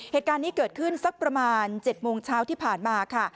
เหตุการณ์นี้เกิดขึ้นสักประมาณ๗โมงเช้าที่ผ่านมาค่ะ